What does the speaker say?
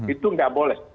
itu nggak boleh